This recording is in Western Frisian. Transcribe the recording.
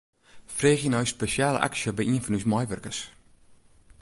Freegje nei ús spesjale aksje by ien fan ús meiwurkers.